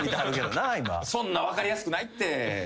そんな分かりやすくないって！